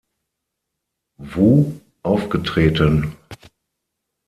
Wu“ aufgetreten.